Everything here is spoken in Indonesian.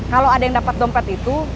kalau ada yang dapat dompet itu